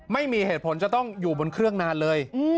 ไม่มีเหตุผลจะต้องอยู่บนเครื่องนานเลย